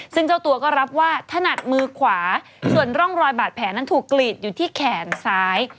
ซึ่งเจ้าตัวก็รับว่าถนัดมือขวาส่วนร่องรอยบาดแผลนั้นถูกกลีดอยู่ที่แขนซ้าย